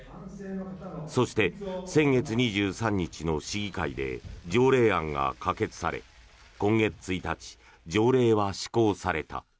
そして、先月２３日の市議会で条例案が可決され今月１日、条例は施行された。